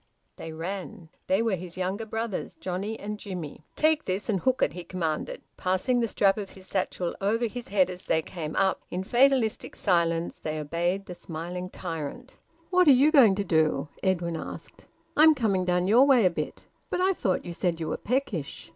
They ran. They were his younger brothers, Johnnie and Jimmie. "Take this and hook it!" he commanded, passing the strap of his satchel over his head as they came up. In fatalistic silence they obeyed the smiling tyrant. "What are you going to do?" Edwin asked. "I'm coming down your way a bit." "But I thought you said you were peckish."